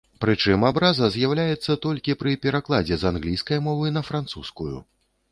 Прычым абраза з'яўляецца толькі пры перакладзе з англійскай мовы на французскую.